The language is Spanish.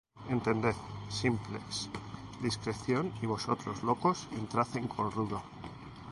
Entended, simples, discreción; Y vosotros, locos, entrad en cordura.